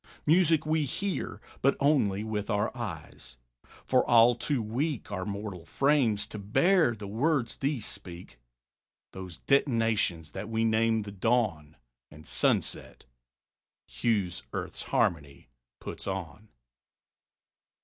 Music we hear, but only with our eyes. For all too weak Our mortal frames to bear the words these speak, Those detonations that we name the dawn And sunset hues Earth's harmony puts on.